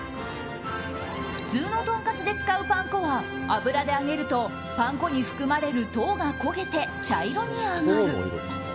普通のとんかつで使うパン粉は油で揚げるとパン粉に含まれる糖が焦げて茶色に揚がる。